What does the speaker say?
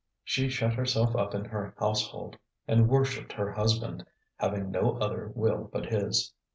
She shut herself up in her household, and worshipped her husband, having no other will but his.